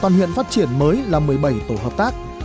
toàn huyện phát triển mới là một mươi bảy tổ hợp tác